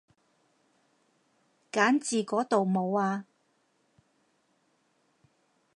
揀字嗰度冇啊